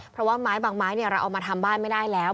เพราะว่าไม้บางไม้เราเอามาทำบ้านไม่ได้แล้ว